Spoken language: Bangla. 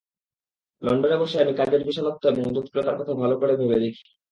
লন্ডনে বসে আমি কাজের বিশালত্ব এবং জটিলতার কথা ভালো করে ভেবে দেখি।